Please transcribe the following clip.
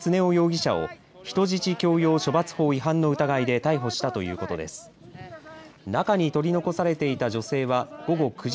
捜査関係者によりますと警察は先ほど鈴木常雄容疑者を人質強要処罰法違反の疑いで逮捕したということです。